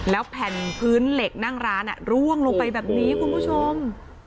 แล้วแผ่นพื้นเหล็กนั่งร้านร่วงลงไปแบบนี้คุณผู้ชม